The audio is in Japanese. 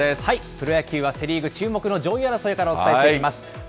プロ野球は、セ・リーグ注目の上位争いからお伝えしていきます。